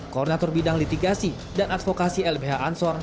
koordinator bidang litigasi dan advokasi lbh ansor